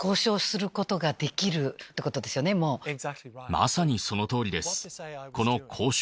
まさにその通りです。